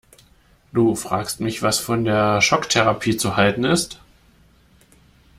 Du fragst mich, was von der Schocktherapie zu halten ist?